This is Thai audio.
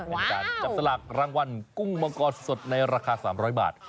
เป็นการจับสลากรางวัลกุ้งมังกรสดในราคา๓๐๐บาท